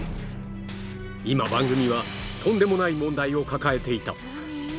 今、番組はとんでもない問題を抱えていた。